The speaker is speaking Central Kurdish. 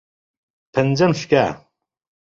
پەنجەم شکا.